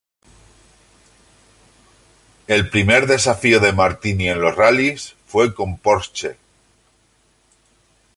El primer desafío de Martini en los rallyes fue con Porsche.